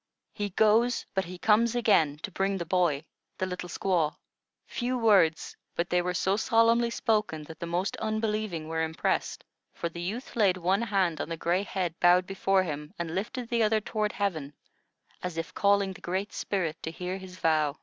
He goes; but he comes again to bring the boy, the little squaw." Few words, but they were so solemnly spoken that the most unbelieving were impressed; for the youth laid one hand on the gray head bowed before him, and lifted the other toward heaven, as if calling the Great Spirit to hear his vow.